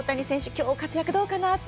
今日の活躍どうかな？って